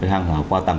hàng hóa qua tảng